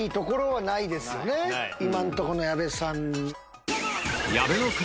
今のとこの矢部さんに。